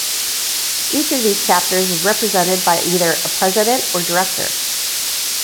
Each of these chapters is represented by either a president or director.